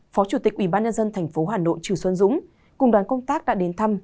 phó chủ tịch ubnd tp hà nội trừ xuân dũng cùng đoàn công tác đã đến thăm